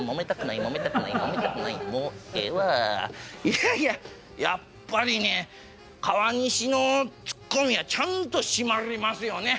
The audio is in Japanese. いやいややっぱりね川西のツッコミはちゃんと締まりますよね。